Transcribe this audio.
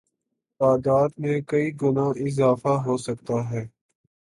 تعداد میں کئی گنا اضافہ ہوسکتا ہے